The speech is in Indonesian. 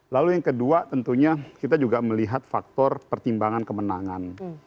lalu yang kedua tentunya kita juga melihat faktor pertimbangan kemenangan